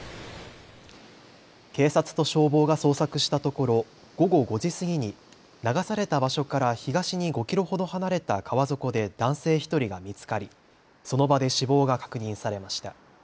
警察と消防が捜索したところ午後５時過ぎに流された場所から東に５キロほど離れた川底で男性１人が見つかりその場で死亡が確認されました。